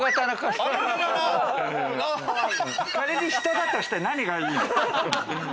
仮に人だとして何がいいの？